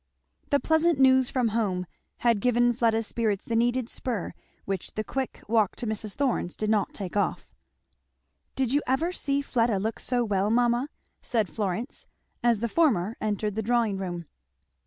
The pleasant news from home had given Fleda's spirits the needed spur which the quick walk to Mrs. Thorn's did not take off. "Did you ever see Fleda look so well, mamma?" said Florence, as the former entered the drawing room.